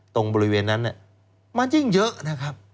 ตรงบริเวณนั้นมันยิ่งเยอะนะครับ